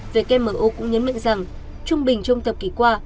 về kmo cũng nhấn mệnh rằng trung bình trong thập kỷ qua